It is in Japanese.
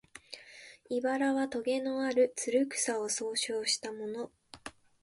「茨」はとげのある、つる草を総称したもの